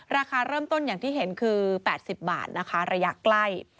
ราคาเริ่มต้นอย่างที่เห็นคือ๘๐บาทนะคะระยะใกล้